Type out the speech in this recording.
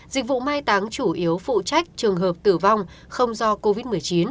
dịch vụ mai táng chủ yếu phụ trách trường hợp tử vong không do covid một mươi chín